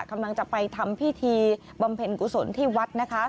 กำลังจะไปทำพิธีบำเพ็ญกุศลที่วัดนะคะ